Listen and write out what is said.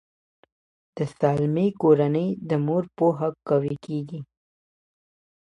د سالمې کورنۍ د مور په پوهه قوي کیږي.